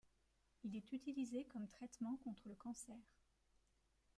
Il est utilisé comme traitement contre le cancer.